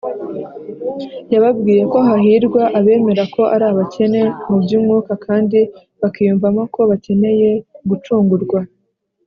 yababwiye ko hahirwa abemera ko ari abakene mu by’umwuka kandi bakiyumvamo ko bakeneye gucungurwa